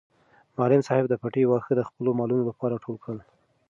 معلم صاحب د پټي واښه د خپلو مالونو لپاره ټول کړل.